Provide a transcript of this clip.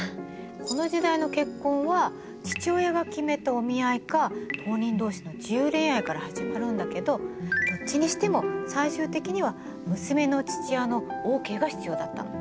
この時代の結婚は父親が決めたお見合いか当人同士の自由恋愛から始まるんだけどどっちにしても最終的には娘の父親のＯＫが必要だったの。